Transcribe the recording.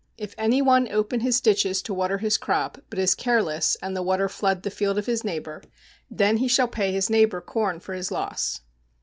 If any one open his ditches to water his crop, but is careless, and the water flood the field of his neighbor, then he shall pay his neighbor corn for his loss.